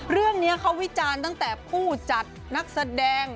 เรื่องนี้เขาวิจารณ์ตั้งแต่ผู้จัดนักแสดง